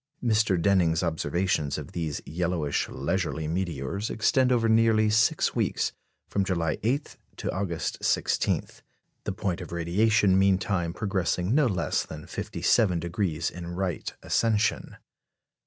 Mr. Denning's observations of these yellowish, leisurely meteors extend over nearly six weeks, from July 8 to August 16; the point of radiation meantime progressing no less than 57° in right ascension.